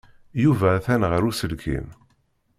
Yuba atan ɣer uselkim.